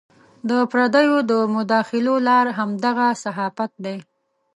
د پردیو د مداخلو لار همدغه صحافت دی.